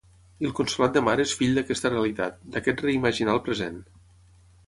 I el Consolat de Mar és fill d'aquesta realitat, d'aquest reimaginar el present.